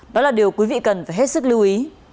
đó là điều quý vị cần phải hết sức lưu ý